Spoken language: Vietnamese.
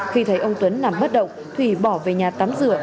khi thấy ông tuấn nằm bất động thủy bỏ về nhà tắm rửa